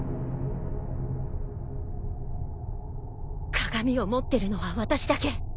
鏡を持ってるのは私だけ